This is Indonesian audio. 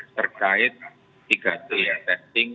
terkait tiga g testing